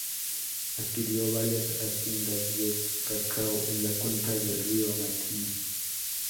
Adquirió varias haciendas de cacao en la cuenca del río Matina.